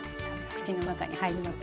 口の中に入ります。